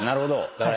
だから。